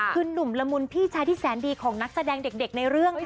คือนุ่มละมุนพี่ชายที่แสนดีของนักแสดงเด็กในเรื่อง